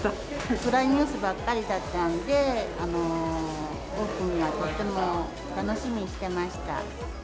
暗いニュースばっかりだったんで、オープンはとっても楽しみにしてました。